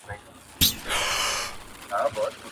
• زما مڼه په کار ده، که څه له ولي څخه وي.